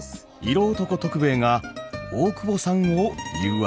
色男徳兵衛が大久保さんを「誘惑」します。